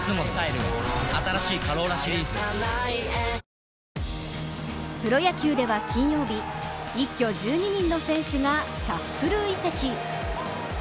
ＪＴプロ野球では金曜日、一挙１２人の選手がシャッフル移籍。